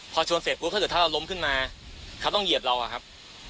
พอชนเสร็จถ้าเราล้มขึ้นมาเขาต้องเหยียบเราครับ